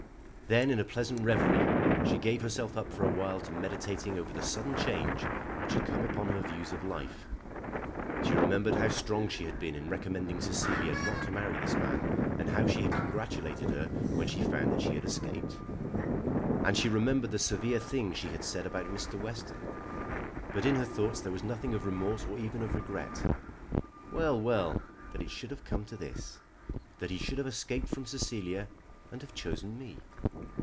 Then in a pleasant reverie she gave herself up for a while to meditating over the sudden change which had come upon her views of life. She remembered how strong she had been in recommending Cecilia not to marry this man, and how she had congratulated her when she found that she had escaped. And she remembered the severe things she had said about Mr. Western. But in her thoughts there was nothing of remorse or even of regret. "Well, well; that it should have come to this! That he should have escaped from Cecilia and have chosen me!